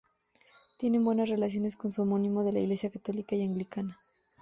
Tienen buenas relaciones con sus homónimos de las iglesias católica y anglicana.